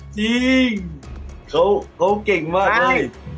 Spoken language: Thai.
จริงเขาเก่งมากเลย